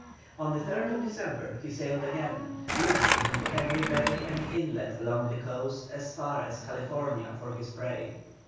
On the 3rd December he sailed again, looking into every bay and inlet along the coast as far as California for his prey.